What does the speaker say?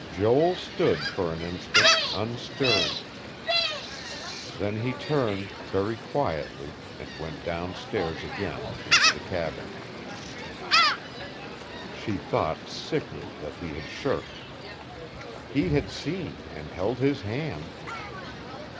Joel stood for an instant, unstirring. Then he turned, very quietly, and went down stairs again into the cabin.... She thought, sickly, that he had shirked; he had seen, and held his hand....